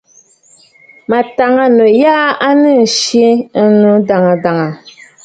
M̀mɔ̀ɔ̀ŋtənnǔ jyaa à nɨ tsiʼǐ ɨnnǔ dàŋə̀ dàŋə̀.